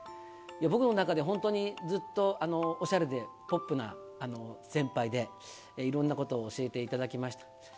僕の中で本当にずっとおしゃれでポップな先輩で、いろんなことを教えていただきました。